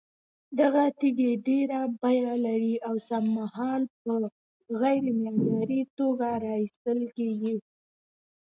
دغه تېږې ډېره بيه لري، اوسمهال په غير معياري توگه راايستل كېږي،